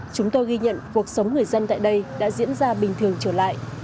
chúng tôi ghi nhận cuộc sống người dân tại đây đã diễn ra bình thường trở lại